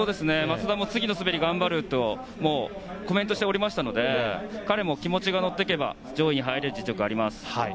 松田も次の滑りを頑張るとコメントしておりましたので彼も気持ちが乗っていけば上位に入る実力があります。